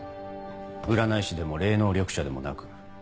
占い師でも霊能力者でもなく。